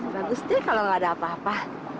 bagus deh kalau gak ada apa apa